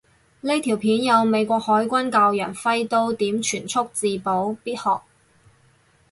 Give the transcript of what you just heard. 呢條片有美國海軍教有人揮刀點全速自保，必學